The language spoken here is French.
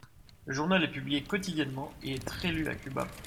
Le journal est publié quotidiennement et est très lu à Cuba.